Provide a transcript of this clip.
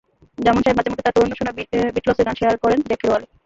জামান সাহেব মাঝেমধ্যে তাঁর তারুণ্যে শোনা বিটলসের গান শেয়ার করেন জ্যাকের ওয়ালে।